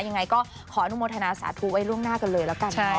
ยังไงก็ขออนุโมทนาสาธุไว้ล่วงหน้ากันเลยแล้วกันนะคะ